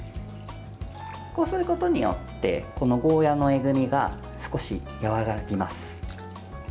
こうすることによってこのゴーヤーのえぐみが少し和らぎます。